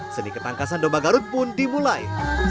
seni ketangkasan domba garut pun dimulai